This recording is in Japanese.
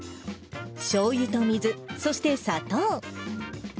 しょうゆと水、そして砂糖。